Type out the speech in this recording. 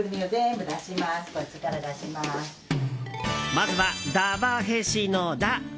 まずは「だ・わ・へ・し」の「だ」。